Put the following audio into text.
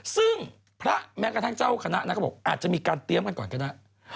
ซึ่งพระแม้กระทั่งเจ้าคณะนั้นก็บอกอาจจะมีการเตรียมกันก่อนก็ได้